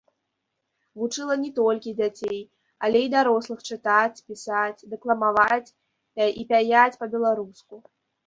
Вучыла не толькі дзяцей, але й дарослых чытаць, пісаць, дэкламаваць і пяяць па-беларуску.